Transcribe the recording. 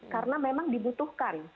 karena memang dibutuhkan